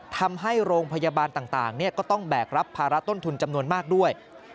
ทำให้โรงพยาบาลต่างก็ต้องแบกรับภาระต้นทุนจำนวนมากด้วย